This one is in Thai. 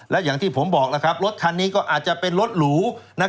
และอย่างที่ผมบอกรถคันนี้ก็อาจจะเป็นรถหลู